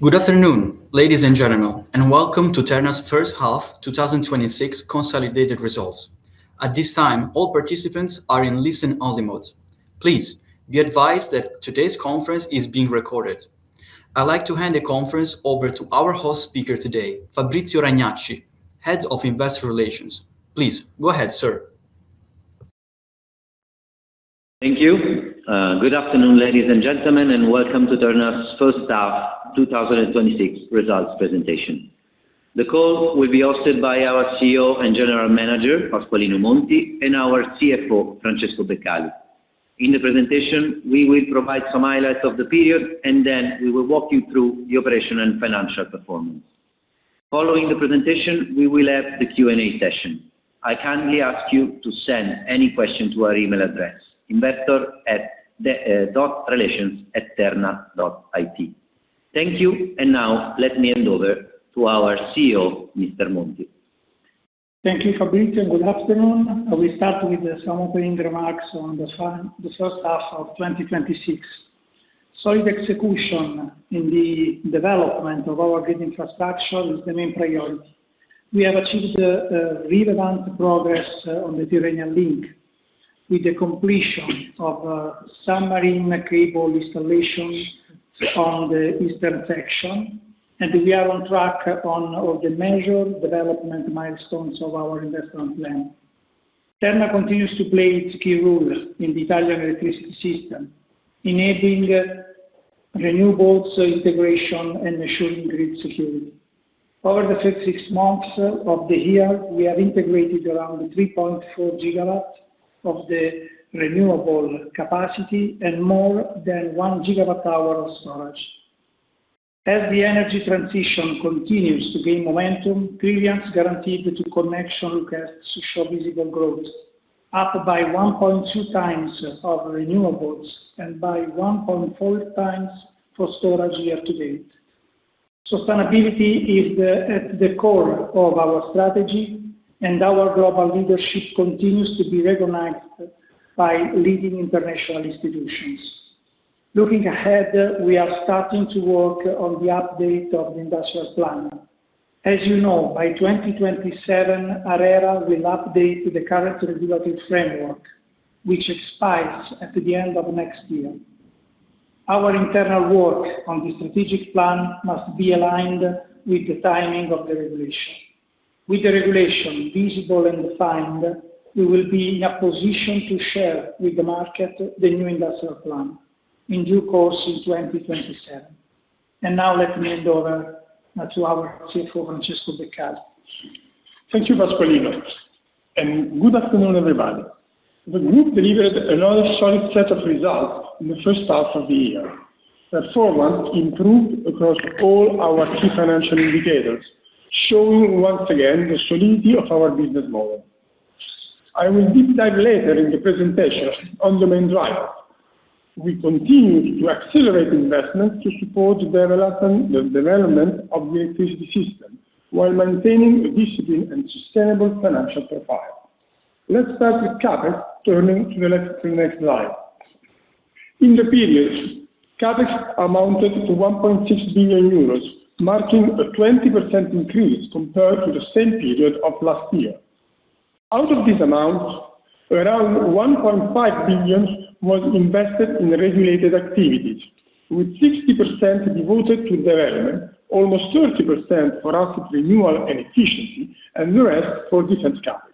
Good afternoon, ladies and gentlemen, welcome to Terna's first half 2026 consolidated results. At this time, all participants are in listen only mode. Please be advised that today's conference is being recorded. I'd like to hand the conference over to our host speaker today, Fabrizio Ragnacci, Head of Investor Relations. Please go ahead, sir. Thank you. Good afternoon, ladies and gentlemen, welcome to Terna's first half 2026 results presentation. The call will be hosted by our CEO and General Manager, Pasqualino Monti, and our CFO, Francesco Beccali. In the presentation, we will provide some highlights of the period, then we will walk you through the operational and financial performance. Following the presentation, we will have the Q&A session. I kindly ask you to send any questions to our email address, investor.relations@terna.it. Thank you, now let me hand over to our CEO, Mr. Monti. Thank you, Fabrizio, good afternoon. We start with some opening remarks on the first half of 2026. Solid execution in the development of our grid infrastructure is the main priority. We have achieved relevant progress on the Tyrrhenian Link, with the completion of submarine cable installation on the eastern section, and we are on track on all the major development milestones of our investment plan. Terna continues to play a key role in the Italian electricity system, enabling renewables integration and ensuring grid security. Over the first six months of the year, we have integrated around 3.4 GW of the renewable capacity and more than one gigawatt hour of storage. As the energy transition continues to gain momentum, demand guaranteed to connection requests show visible growth, up by 1.2 times for renewables and by 1.4 times for storage year-to-date. Sustainability is at the core of our strategy, and our global leadership continues to be recognized by leading international institutions. Looking ahead, we are starting to work on the update of the industrial plan. As you know, by 2027, ARERA will update the regulatory framework, which expires at the end of next year. Our internal work on the strategic plan must be aligned with the timing of the regulation. With the regulation visible and defined, we will be in a position to share with the market the new industrial plan, in due course in 2027. And now let me hand over to our CFO, Francesco Beccali. Thank you, Pasqualino, good afternoon, everybody. The group delivered another solid set of results in the first half of the year. Performance improved across all our key financial indicators, showing once again the solidity of our business model. I will deep dive later in the presentation on the main drivers. We continued to accelerate investment to support the development of the electricity system, while maintaining a disciplined and sustainable financial profile. Let's start with CapEx, turning to the next slide. In the period, CapEx amounted to 1.6 billion euros, marking a 20% increase compared to the same period of last year. Out of this amount, around 1.5 billion was invested in regulated activities, with 60% devoted to development, almost 30% for asset renewal and efficiency, the rest for defense CapEx.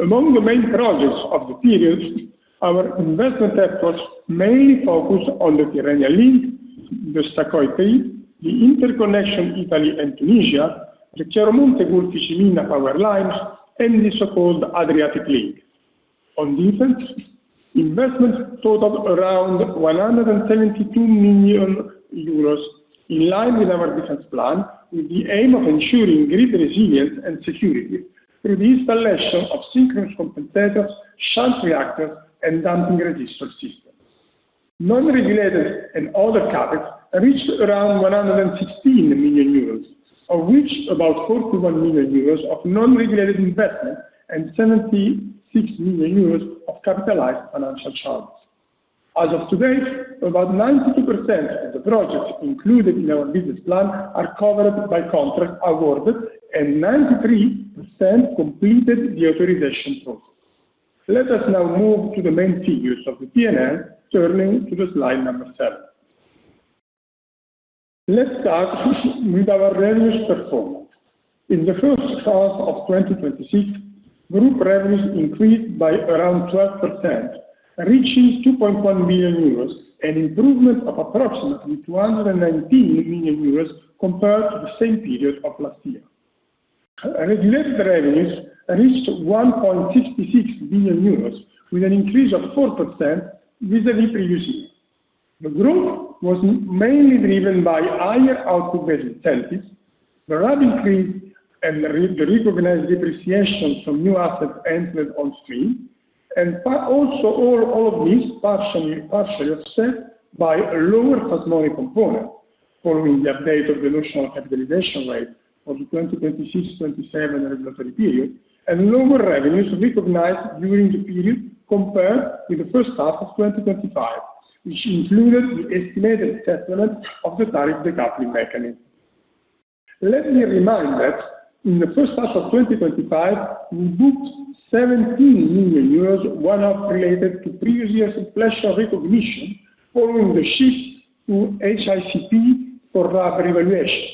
Among the main projects of the period, our investment efforts mainly focused on the Tyrrhenian Link, the Sa.Co.I.3, the interconnection Italy and Tunisia, the Chiaramonte Gulfi, Ciminna power lines, the so-called Adriatic Link. On defense, investments totaled around 172 million euros, in line with our defense plan, with the aim of ensuring grid resilience and security through the installation of synchronous compensators, shunt reactors, damping resistor systems. Non-regulated and other CapEx reached around 116 million euros, of which about 41 million euros of non-regulated investment, 76 million euros of capitalized financial charges. As of today, about 92% of the projects included in our business plan are covered by contracts awarded, 93% completed the authorization process. Let us now move to the main figures of the P&L, turning to the slide number seven. Let's start with our revenue performance. In the first half of 2026, group revenues increased by around 12%, reaching 2.1 billion euros, an improvement of approximately 219 million euros compared to the same period of last year. Regulated revenues reached 1.66 billion euros, with an increase of 4% vis-à-vis previous year. The group was mainly driven by higher output-based incentives, the revenue increase and the recognized depreciation from new assets entered on stream. All of this partially offset by a lower fast money component, following the update of the notional capitalization rate of the 2026/27 regulatory period, and lower revenues recognized during the period compared with the first half of 2025, which included the estimated settlement of the tariff decoupling mechanism. Let me remind that in the first half of 2025, we booked 17 million euros, one half related to previous inflation recognition following the shift to HICP for our revaluation.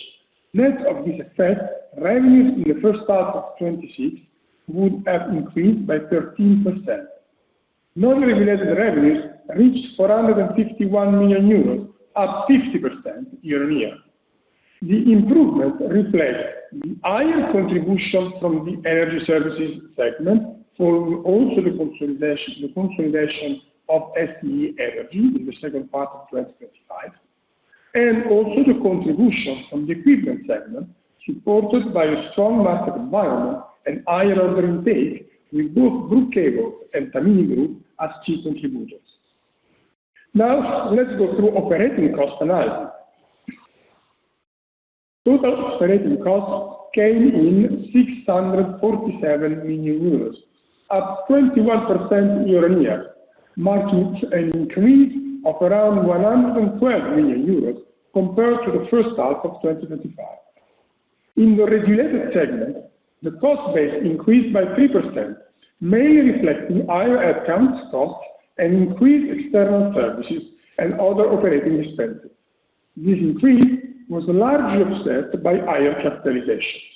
Net of this effect, revenues in the first half of 2026 would have increased by 13%. Non-regulated revenues reached 451 million euros, up 50% year-on-year. The improvement reflects the higher contribution from the energy services segment, following also the consolidation of STE Energy in the second part of 2025, and also the contribution from the equipment segment, supported by a strong market environment and higher order intake, with both Brugg Kabel and Tamini Group as key contributors. Let's go through operating cost analysis. Total operating costs came in 647 million euros, up 21% year-on-year, marking an increase of around 112 million euros compared to the first half of 2025. In the regulated segment, the cost base increased by 3%, mainly reflecting higher headcount costs and increased external services and other operating expenses. This increase was largely offset by higher capitalizations.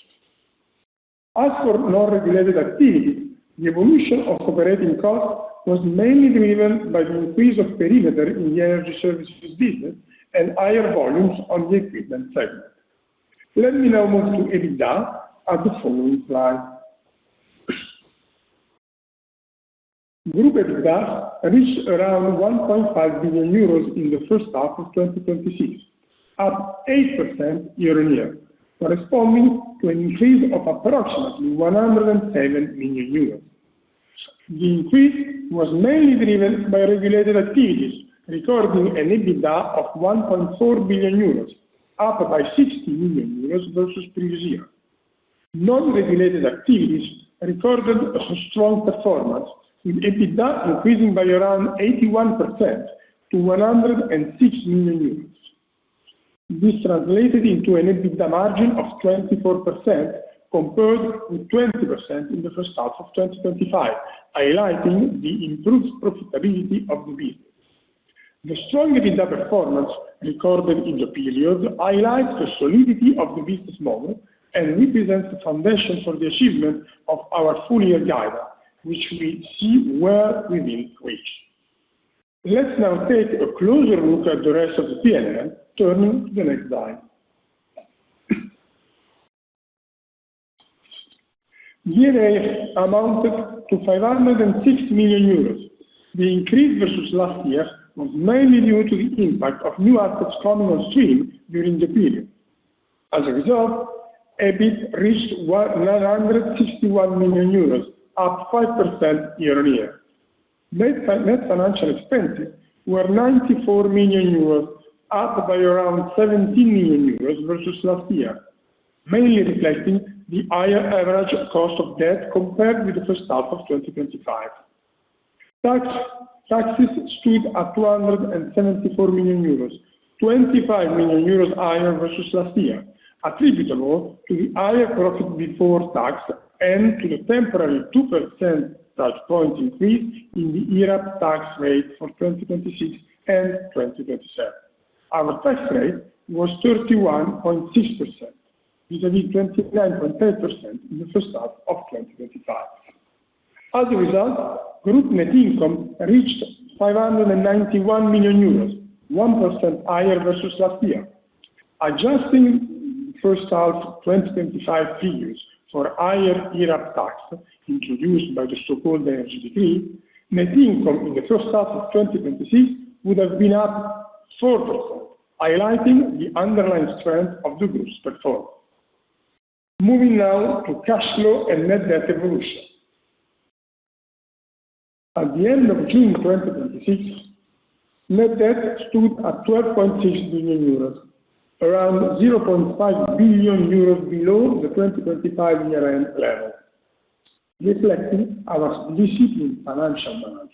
As for non-regulated activities, the evolution of operating costs was mainly driven by the increase of perimeter in the energy services business and higher volumes on the equipment segment. Let me now move to EBITDA at the following slide. Group EBITDA reached around 1.5 billion euros in the first half of 2026, up 8% year-on-year, corresponding to an increase of approximately 107 million euros. The increase was mainly driven by regulated activities, recording an EBITDA of 1.4 billion euros, up by 60 million euros versus previous year. Non-regulated activities recorded a strong performance, with EBITDA increasing by around 81% to 106 million euros. This translated into an EBITDA margin of 24%, compared with 20% in the first half of 2025, highlighting the improved profitability of the business. The strong EBITDA performance recorded in the period highlights the solidity of the business model and represents a foundation for the achievement of our full year guidance, which we see well within reach. Let's now take a closer look at the rest of the P&L, turning to the next slide. D&A amounted to 506 million euros. The increase versus last year was mainly due to the impact of new assets coming on stream during the period. As a result, EBIT reached 961 million euros, up 5% year-on-year. Net financial expenses were 94 million euros, up by around 17 million euros versus last year, mainly reflecting the higher average cost of debt compared with the first half of 2025. Taxes stood at 274 million euros, 25 million euros higher versus last year, attributable to the higher profit before tax and to the temporary 2% tax point increase in the IRAP tax rate for 2026 and 2027. Our tax rate was 31.6%, vis-a-vis 29.3% in the first half of 2025. As a result, group net income reached 591 million euros, 1% higher versus last year. Adjusting first half 2025 figures for higher IRAP tax, introduced by the so-called energy decree, net income in the first half of 2026 would have been up 4%, highlighting the underlying strength of the group's performance. Moving now to cash flow and net debt evolution. At the end of June 2026, net debt stood at 12.6 billion euros, around 0.5 billion euros below the 2025 year end level, reflecting our disciplined financial management.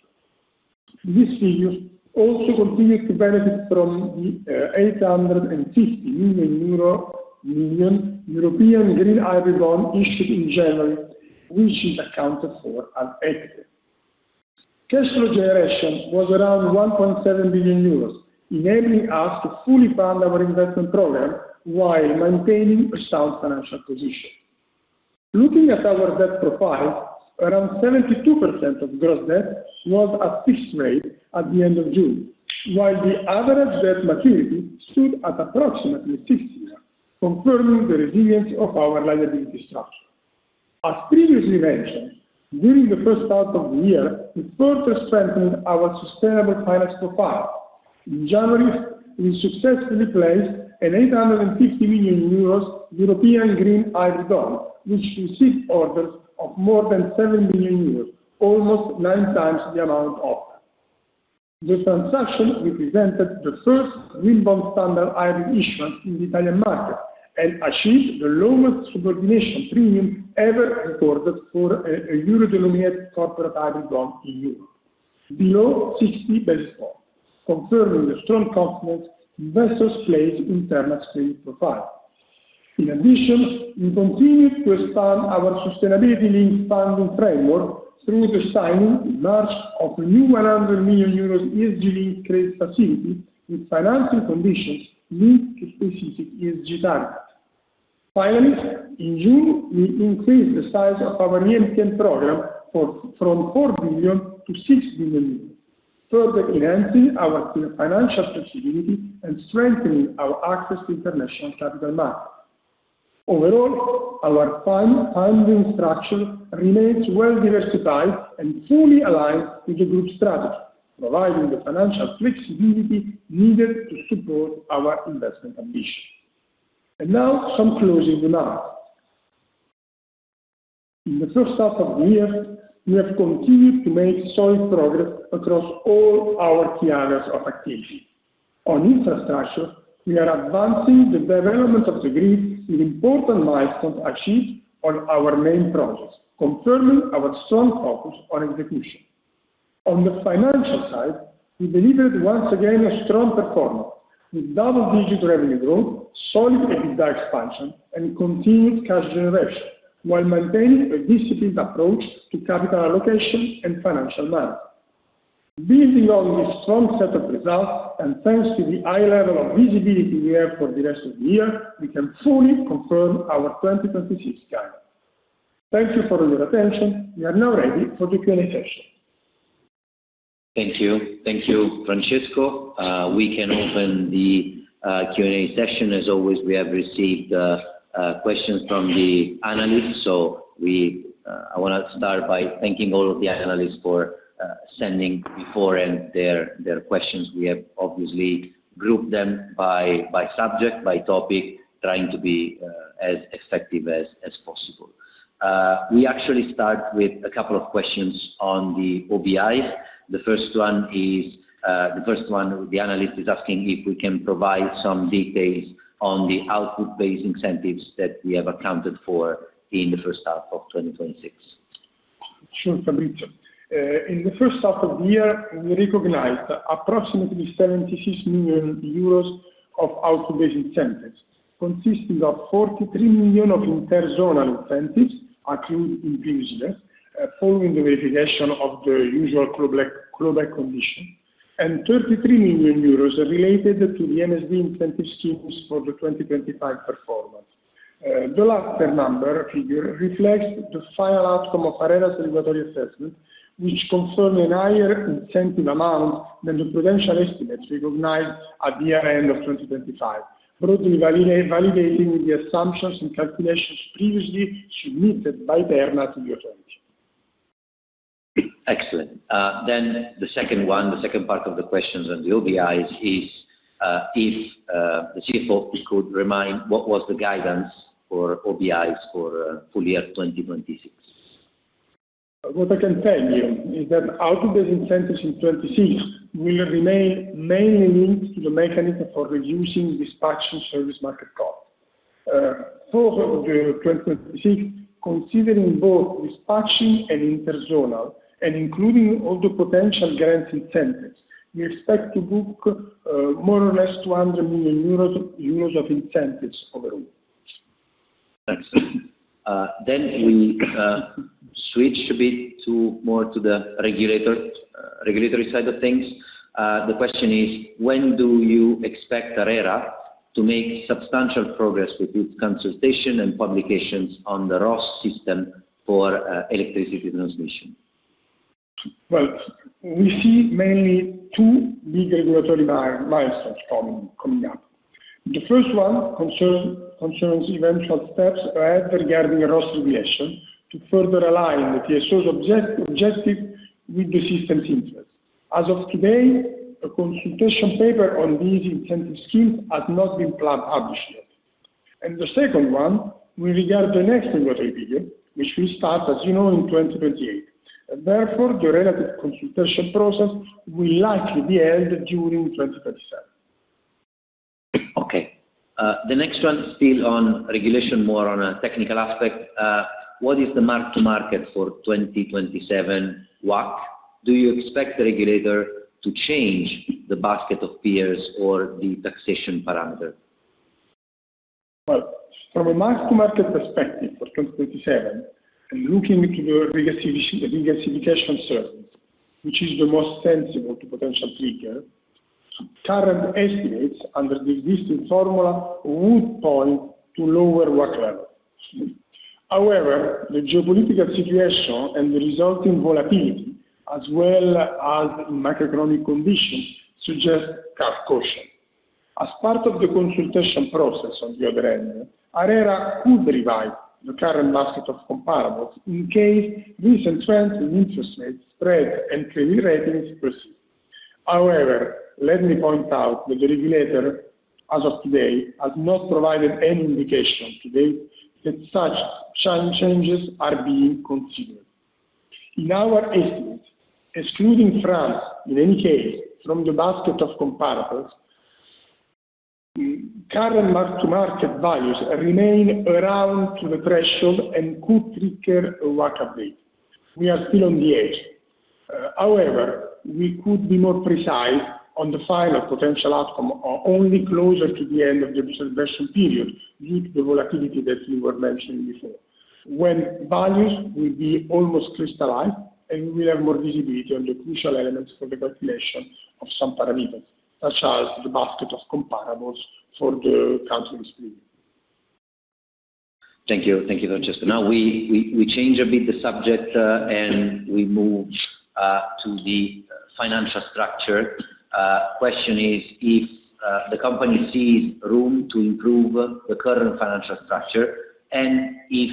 This figure also continued to benefit from the 850 million euro European Green Hybrid Bond issued in January, which is accounted for at equity. Cash flow generation was around 1.7 billion euros, enabling us to fully fund our investment program while maintaining a sound financial position. Looking at our debt profile, around 72% of gross debt was at fixed rate at the end of June, while the average debt maturity stood at approximately six years, confirming the resilience of our liability structure. As previously mentioned, during the first half of the year, we further strengthened our sustainable finance profile. In January, we successfully placed an 850 million euros European Green Hybrid Bond, which received orders of more than 7 billion euros, almost nine times the amount offered. The transaction represented the first green bond standard hybrid issuance in the Italian market, and achieved the lowest subordination premium ever recorded for a euro-denominated corporate hybrid bond EU. Below 60 basis points, confirming the strong confidence investors place in Terna's credit profile. In addition, we continued to expand our sustainability linked funding framework through the signing in March of a new 100 million euros ESG linked credit facility with financing conditions linked to specific ESG targets. Finally, in June, we increased the size of our EMTN program from 4 billion to 6 billion, further enhancing our financial flexibility and strengthening our access to international capital markets. Overall, our funding structure remains well-diversified and fully aligned with the group's strategy, providing the financial flexibility needed to support our investment ambition. Now some closing remarks. In the first half of the year, we have continued to make solid progress across all our key areas of activity. On infrastructure, we are advancing the development of the grid with important milestones achieved on our main projects, confirming our strong focus on execution. On the financial side, we delivered once again a strong performance with double-digit revenue growth, solid EBITDA expansion, and continued cash generation, while maintaining a disciplined approach to capital allocation and financial management. Building on this strong set of results, thanks to the high level of visibility we have for the rest of the year, we can fully confirm our 2026 guidance. Thank you for your attention. We are now ready for the Q&A session. Thank you. Thank you, Francesco. We can open the Q&A session. As always, we have received questions from the analysts. I want to start by thanking all of the analysts for sending beforehand their questions. We have obviously grouped them by subject, by topic, trying to be as effective as possible. We actually start with a couple of questions on the OBIs. The first one, the analyst is asking if we can provide some details on the output-based incentives that we have accounted for in the first half of 2026. Sure, Fabrizio. In the first half of the year, we recognized approximately 76 million euros of output-based incentives, consisting of 43 million of interzonal incentives accrued in previous years, following the verification of the usual clawback condition, and 33 million euros related to the MSD incentive schemes for the 2025 performance. The latter number figure reflects the final outcome of ARERA's regulatory assessment, which confirms a higher incentive amount than the prudential estimates recognized at the year-end of 2025, broadly validating the assumptions and calculations previously submitted by Terna to the authority. Excellent. The second one, the second part of the questions on the OBIs is if the CFO could remind what was the guidance for OBIs for full year 2026. What I can tell you is that output-based incentives in 2026 will remain mainly linked to the mechanism for reducing dispatching and service market costs. For the whole of 2026, considering both dispatching and interzonal, and including all the potential grant incentives, we expect to book more or less 200 million euros of incentives overall. Thanks. We switch a bit more to the regulatory side of things. The question is, when do you expect ARERA to make substantial progress with its consultation and publications on the ROSS system for electricity transmission? Well, we see mainly two big regulatory milestones coming up. The first one concerns eventual steps ARERA regarding ROSS regulation to further align the TSO's objective with the system's interest. As of today, a consultation paper on these incentive schemes has not been published yet. The second one will regard the next regulatory period, which will start, as you know, in 2028. Therefore, the relative consultation process will likely be held during 2027. Okay. The next one is still on regulation, more on a technical aspect. What is the mark to market for 2027 WACC? Do you expect the regulator to change the basket of peers or the taxation parameter? Well, from a mark to market perspective for 2027, looking to the regasification service, which is the most sensible to potential triggers, current estimates under the existing formula would point to lower WACC levels. However, the geopolitical situation and the resulting volatility, as well as macroeconomic conditions, suggest caution. As part of the consultation process on the other hand, ARERA could revise the current basket of comparables in case recent trends in interest rates, spreads, and credit ratings pursue. However, let me point out that the regulator, as of today, has not provided any indication to date that such changes are being considered. In our estimate, excluding France, in any case, from the basket of comparables, current mark-to-market values remain around the threshold and could trigger a WACC update. We are still on the edge. However, we could be more precise on the final potential outcome only closer to the end of the observation period, due to the volatility that you were mentioning before, when values will be almost crystallized, and we will have more visibility on the crucial elements for the calculation of some parameters, such as the basket of comparables for the counter dispute. Thank you. Thank you, Francesco. Now we change a bit the subject, and we move to the financial structure. Question is if the company sees room to improve the current financial structure, and if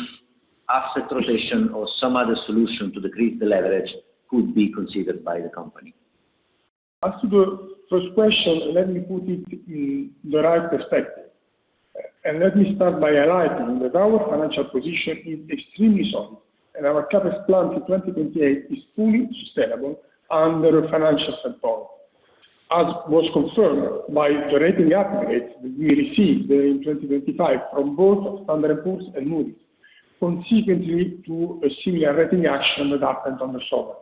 asset rotation or some other solution to decrease the leverage could be considered by the company. As to the first question, let me put it in the right perspective, and let me start by highlighting that our financial position is extremely solid, and our CapEx plan to 2028 is fully sustainable under financial support, as was confirmed by the rating upgrades that we received in 2025 from both Standard & Poor's and Moody's, consequently to a similar rating action that happened on the sovereign.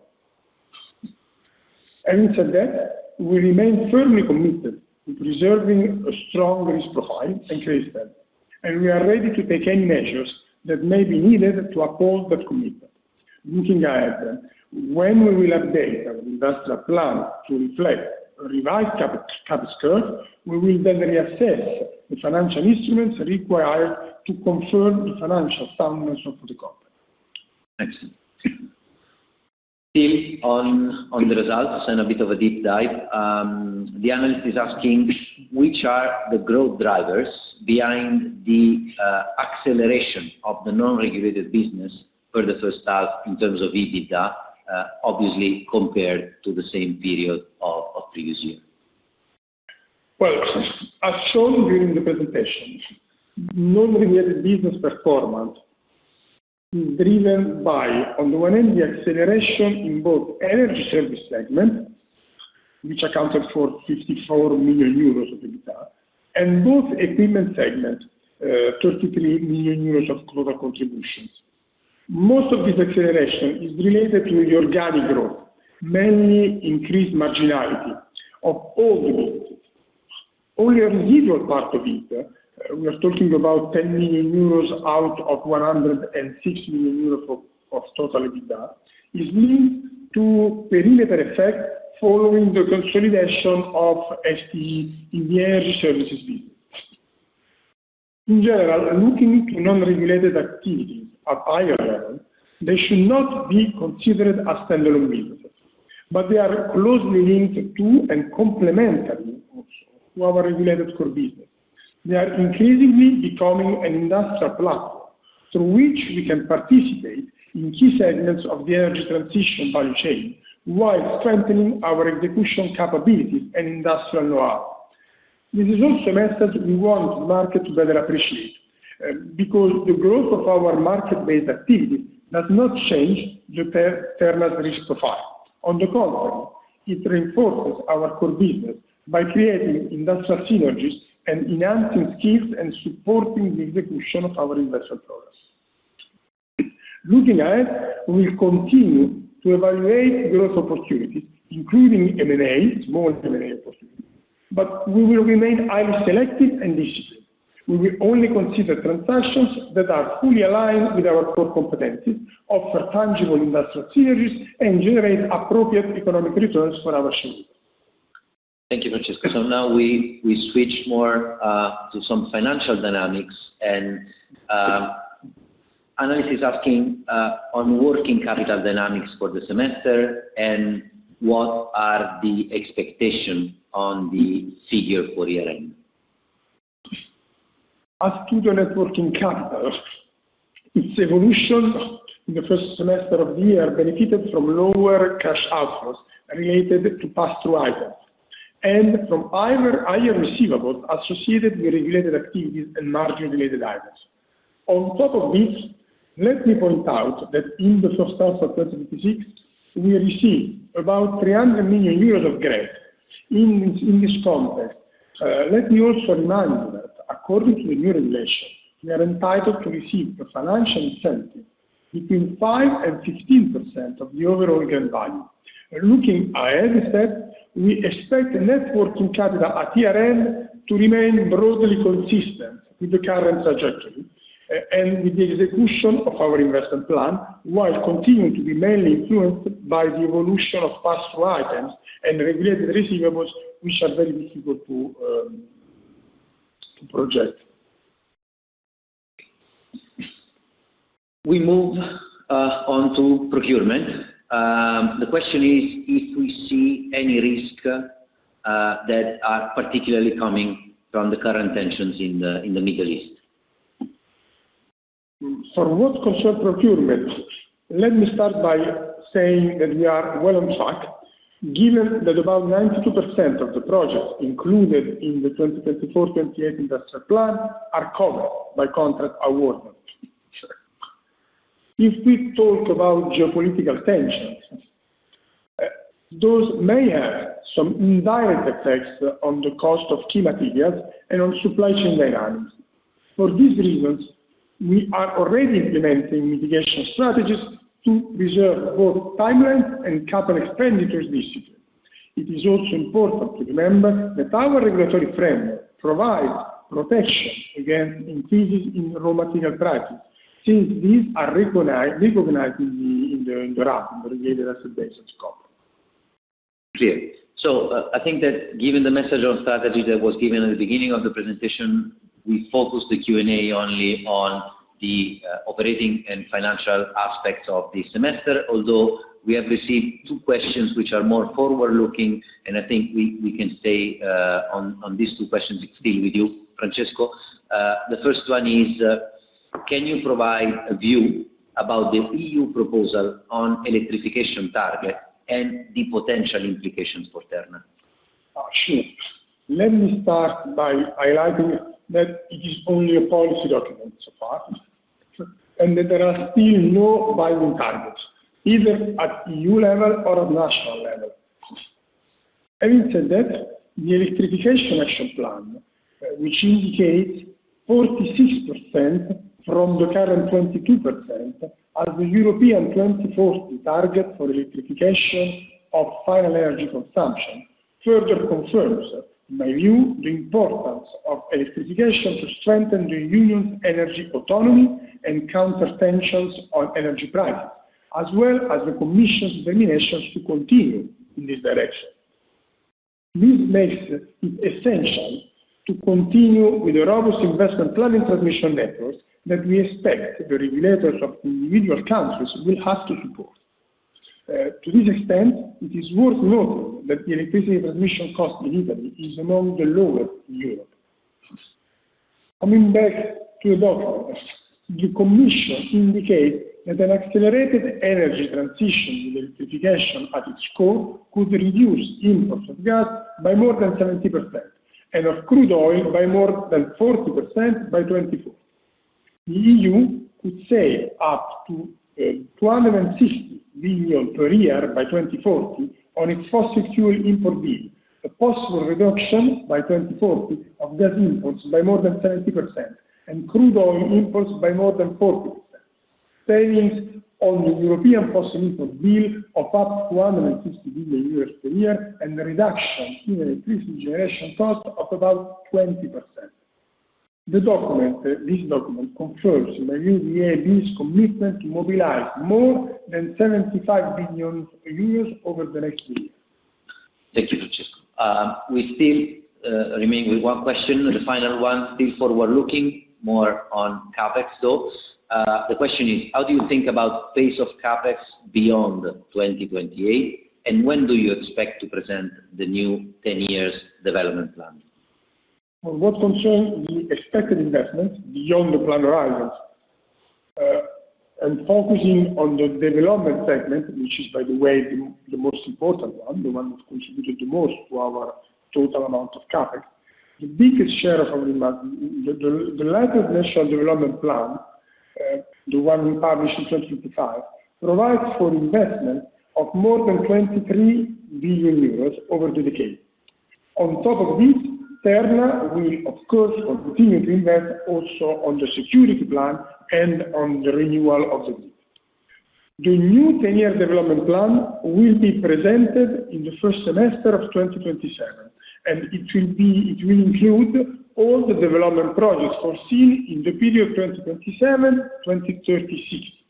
That said, we remain firmly committed to preserving a strong risk profile and credit standing, and we are ready to take any measures that may be needed to uphold that commitment. Looking ahead, when we will update our industrial plan to reflect a revised CapEx curve, we will then reassess the financial instruments required to confirm the financial soundness of the company. Excellent. Still on the results and a bit of a deep dive, the analyst is asking which are the growth drivers behind the acceleration of the non-regulated business for the first half in terms of EBITDA, obviously compared to the same period of previous year. Well, as shown during the presentation, non-regulated business performance is driven by, on the one hand, the acceleration in both energy service segment, which accounted for 54 million euros of EBITDA, and both equipment segment, 33 million euros of growth or contributions. Most of this acceleration is related to the organic growth, mainly increased marginality of all the business. Only a residual part of it, we are talking about 10 million euros out of 106 million euros of total EBITDA, is linked to perimeter effect following the consolidation of STE in the energy services business. In general, looking to non-regulated activities at higher level, they should not be considered as standalone businesses, but they are closely linked to and complementary also to our regulated core business. They are increasingly becoming an industrial platform through which we can participate in key segments of the energy transition value chain while strengthening our execution capabilities and industrial know-how. This is also a message we want the market to better appreciate, because the growth of our market-based activity does not change the Terna risk profile. On the contrary, it reinforces our core business by creating industrial synergies and enhancing skills and supporting the execution of our investment products. Looking ahead, we will continue to evaluate growth opportunities, including M&As, small M&A possibilities, but we will remain highly selective and disciplined. We will only consider transactions that are fully aligned with our core competencies, offer tangible industrial synergies, and generate appropriate economic returns for our shareholders. Thank you, Francesco. Now we switch more to some financial dynamics, and analyst is asking on working capital dynamics for the semester and what are the expectations on the figure for year-end. As to the net working capital, its evolution in the first semester of the year benefited from lower cash outflows related to pass-through items and from higher receivables associated with regulated activities and margin-related items. On top of this, let me point out that in the first half of 2026, we received about 300 million euros of grant. In this context, let me also remind you that according to the new regulation, we are entitled to receive a financial incentive between 5% and 15% of the overall grant value. Looking ahead, we expect net working capital at year-end to remain broadly consistent with the current trajectory and with the execution of our investment plan, while continuing to be mainly influenced by the evolution of pass-through items and regulated receivables, which are very difficult to project. We move on to procurement. The question is if we see any risk that are particularly coming from the current tensions in the Middle East. For what concerns procurement, let me start by saying that we are well on track, given that about 92% of the projects included in the 2024/2028 industrial plan are covered by contract award. If we talk about geopolitical tensions, those may have some indirect effects on the cost of key materials and on supply chain dynamics. For these reasons, we are already implementing mitigation strategies to preserve both timelines and capital expenditures discipline. It is also important to remember that our regulatory framework provides protection against increases in raw material prices, since these are recognized in the RAB, in the Regulatory Asset Base scope. Clear. I think that given the message on strategy that was given at the beginning of the presentation, we focus the Q&A only on the operating and financial aspects of the semester, although we have received two questions which are more forward-looking, and I think we can stay on these two questions, still with you, Francesco. The first one is: Can you provide a view about the EU proposal on electrification target and the potential implications for Terna? Sure. Let me start by highlighting that it is only a policy document so far, that there are still no binding targets, either at EU level or at national level. Having said that, the Electrification Action Plan, which indicates 46% from the current 22% are the European 2040 target for electrification of final energy consumption, further confirms, in my view, the importance of electrification to strengthen the Union's energy autonomy and counter tensions on energy prices, as well as the Commission's determination to continue in this direction. This makes it essential to continue with the robust investment plan in transmission networks that we expect the regulators of the individual countries will have to support. To this extent, it is worth noting that the electricity transmission cost in Italy is among the lowest in Europe. Coming back to the document, the Commission indicate that an accelerated energy transition with electrification at its core could reduce imports of gas by more than 70% and of crude oil by more than 40% by 2040. The EU could save up to 160 billion per year by 2040 on its fossil fuel import bill, a possible reduction by 2040 of gas imports by more than 70% and crude oil imports by more than 40%. Savings on the European fossil import bill of up to 150 billion euros per year and a reduction in electricity generation cost of about 20%. This document confirms, in my view, the EU's commitment to mobilize more than 75 billion euros over the next years. Thank you, Francesco. We still remain with one question, the final one, still forward-looking, more on CapEx, though. The question is: How do you think about pace of CapEx beyond 2028, and when do you expect to present the new 10 years development plan? For what concerns the expected investment beyond the plan horizons, and focusing on the development segment, which is, by the way, the most important one, the one that contributed the most to our total amount of CapEx. The latest national development plan, the one we published in 2025, provides for investment of more than 23 billion euros over the decade. On top of this, Terna will, of course, continue to invest also on the security plan and on the renewal of the grid. The new 10-year development plan will be presented in the first semester of 2027, and it will include all the development projects foreseen in the period 2027-2036.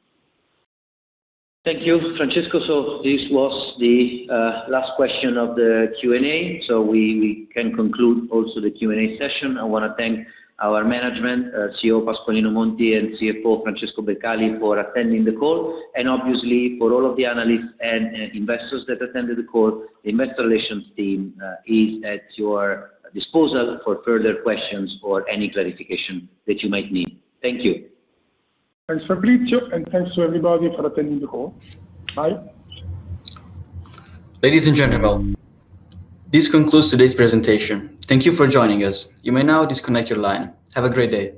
Thank you, Francesco. This was the last question of the Q&A. We can conclude also the Q&A session. I want to thank our management, CEO Pasqualino Monti and CFO Francesco Beccali, for attending the call and obviously for all of the analysts and investors that attended the call, the investor relations team is at your disposal for further questions or any clarification that you might need. Thank you. Thanks, Fabrizio. Thanks to everybody for attending the call. Bye. Ladies and gentlemen, this concludes today's presentation. Thank you for joining us. You may now disconnect your line. Have a great day.